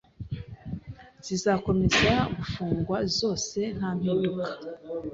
zizakomeza gufungwa zose ntampinduka